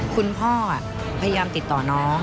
คุณพ่อพยายามติดต่อน้อง